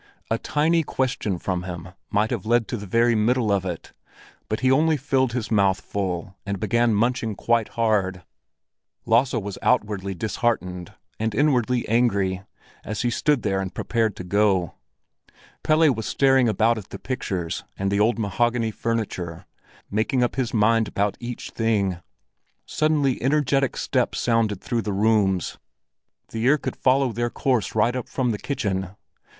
A tiny question from him might have led to the very middle of it; but he only filled his mouth full and began munching quite hard. Lasse was outwardly disheartened and inwardly angry, as he stood there and prepared to go. Pelle was staring about at the pictures and the old mahogany furniture, making up his mind about each thing. Suddenly energetic steps sounded through the rooms; the ear could follow their course right up from the kitchen.